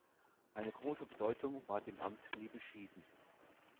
Eine große Bedeutung war dem Amt nie beschieden.